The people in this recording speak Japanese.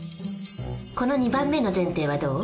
この２番目の前提はどう？